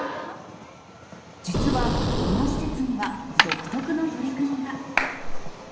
実は、この施設には独特の取り組みが。